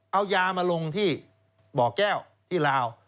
เอายามาลงที่บ่อแก้วที่ลาว